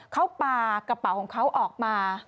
เขาปลากระเป๋าของเขาออกมา